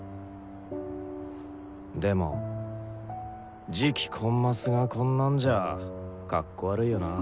でも次期コンマスがこんなんじゃかっこ悪いよなぁ。